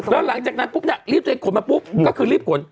แล้วหลังจากนั้นปุ๊บเนี่ยรีบตัวเองขนมาปุ๊บก็คือรีบขน